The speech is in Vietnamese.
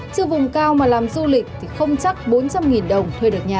chứ vùng cao mà làm du lịch thì không chắc bốn trăm linh đồng thuê được nhà